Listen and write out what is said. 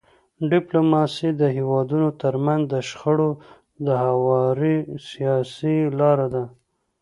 ډيپلوماسي د هیوادونو ترمنځ د شخړو د هواري سیاسي لار ده.